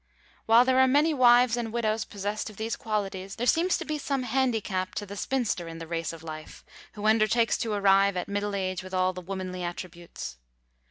While there are many wives and widows possessed of these qualities, there seems to be some handicap to the spinster in the race of life who undertakes to arrive at middle age with all the womanly attributes.